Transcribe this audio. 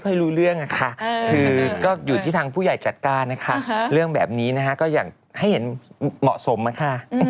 คือก็อยู่ที่ทางผู้ใหญ่จัดการนะคะเรื่องแบบนี้นะคะก็อย่างให้เห็นเหมาะสมค่ะ